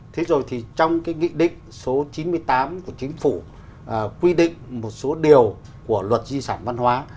thế rồi thì trong cái nghị định số chín mươi tám của chính phủ quy định một số điều của luật di sản văn hóa